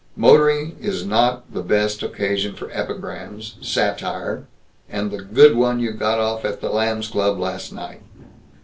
Motoring is not the best occasion for epigrams, satire, and the Good One You Got Off at the Lambs' Club last night.